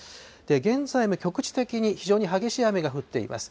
現在も局地的に非常に激しい雨が降っています。